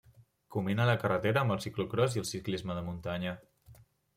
Combina la carretera amb el ciclocròs i el ciclisme de muntanya.